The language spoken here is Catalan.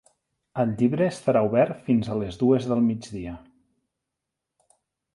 El llibre estarà obert fins a les dues del migdia.